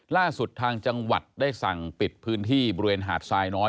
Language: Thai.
ล่าสุดทางจังหวัดได้สั่งปิดพื้นที่บริเวณหาดทรายน้อย